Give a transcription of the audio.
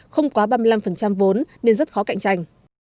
không quá ba mươi năm vốn nên rất khó cạnh tranh